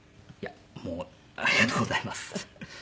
もうありがとうございます。